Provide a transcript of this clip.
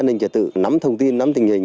an ninh trả tự nắm thông tin nắm tình hình